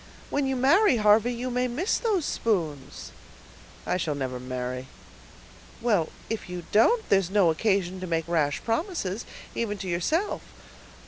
"When you marry, Harvey, you may miss those spoons." "I never shall marry." "Well, if you don't there's no occasion to make rash promises, even to yourself.